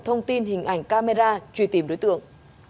thông tin hình ảnh camera truy tìm đối tượng